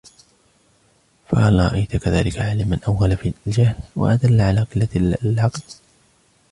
فَهَلْ رَأَيْت كَذَلِكَ عَالِمًا أَوْغَلَ فِي الْجَهْلِ ، وَأَدَلَّ عَلَى قِلَّةِ الْعَقْلِ